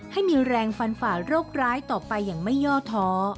ให้มีแรงฟันฝ่าโรคร้ายต่อไปอย่างไม่ย่อท้อ